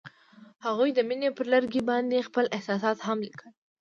هغوی د مینه پر لرګي باندې خپل احساسات هم لیکل.